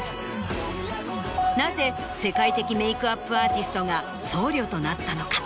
なぜ世界的メイクアップアーティストが僧侶となったのか？